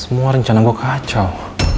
semua rencana gua kacau